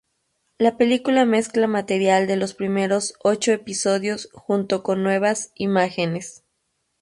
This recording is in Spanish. La película mezcla material de los primeros ocho episodios junto con nuevas imágenes.